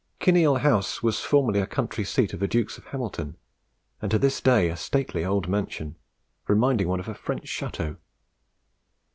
Kinneil House was formerly a country seat of the Dukes of Hamilton, and is to this day a stately old mansion, reminding one of a French chateau.